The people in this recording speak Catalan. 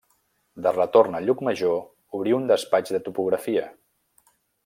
De retorn a Llucmajor obrí un despatx de topografia.